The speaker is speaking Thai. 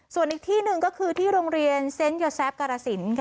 ส่วนอีกที่หนึ่งก็คือที่โรงเรียนเซนต์เยอร์แซฟกาลสิน